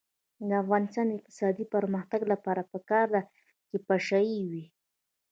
د افغانستان د اقتصادي پرمختګ لپاره پکار ده چې پشه یي وي.